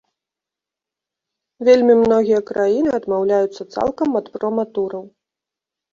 Вельмі многія краіны адмаўляюцца цалкам ад проматураў.